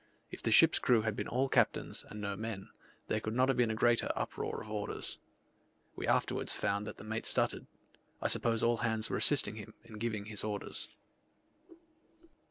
If the ship's crew had been all captains, and no men, there could not have been a greater uproar of orders. We afterwards found that the mate stuttered: I suppose all hands were assisting him in giving his orders.